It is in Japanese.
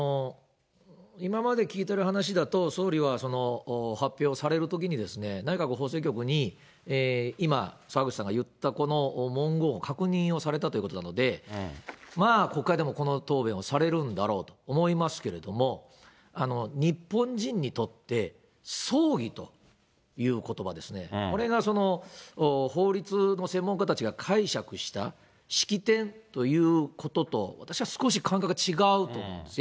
今まで聞いてる話だと、総理は発表されるときに、内閣法制局に今、澤口さんが言ったこの文言を確認をされたということなので、国会でもこの答弁をされるんだろうと思いますけれども、日本人にとって、葬儀ということばですね、これが法律の専門家たちが解釈した式典ということと、私は少し感覚が違うと思うんです。